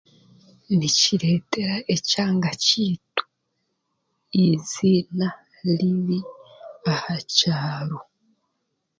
Nikireetera ekyanga kyaitu eiziina ribi aha kyaro